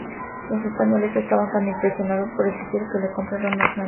Los españoles estaban tan impresionados por el sitio que lo compararon con Granada.